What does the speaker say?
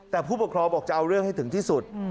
แต่ผู้ปกครองบอกจะเอาเรื่องให้ถึงที่สุด